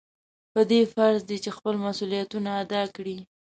په ده فرض دی چې خپل مسؤلیتونه ادا کړي.